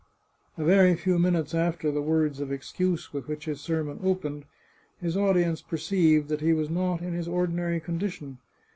A very few minutes after the words of excuse with which his sermon opened, his audience perceived that he was not in his ordinary condition.